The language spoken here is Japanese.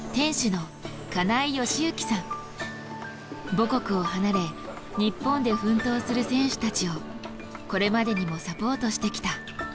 母国を離れ日本で奮闘する選手たちをこれまでにもサポートしてきた。